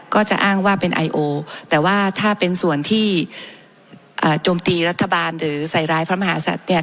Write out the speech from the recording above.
ก็จะอ้างว่าเป็นไอโอแต่ว่าถ้าเป็นส่วนที่โจมตีรัฐบาลหรือใส่ร้ายพระมหาศัตริย์เนี่ย